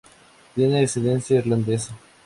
Tiene ascendencia irlandesa.